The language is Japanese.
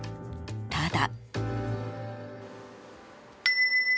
ただ。